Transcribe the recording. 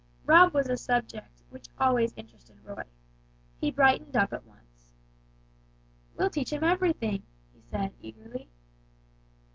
Rob was a topic which always interested Roy. He brightened up at once. "We'll teach him everything," he said, eagerly.